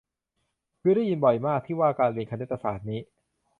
คือได้ยินบ่อยมาก ที่ว่าการเรียนคณิตศาสตร์นี้